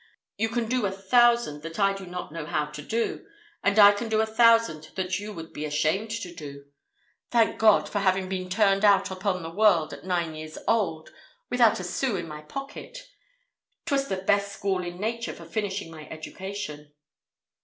You can do a thousand that I do not know how to do, and I can do a thousand that you would be ashamed to do. Thank God, for having been turned out upon the world at nine years old, without a sous in my pocket. 'Twas the best school in nature for finishing my education."